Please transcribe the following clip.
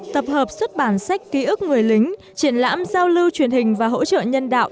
tập hợp xuất bản sách ký ức người lính triển lãm giao lưu truyền hình và hỗ trợ nhân đạo